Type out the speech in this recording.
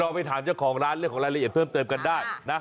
ไปถามเจ้าของร้านเรื่องของรายละเอียดเพิ่มเติมกันได้นะ